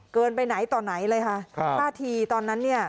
เกินไปไหนต่อไหนเลยค่ะค่ะประทีตอนนั้นเนี้ย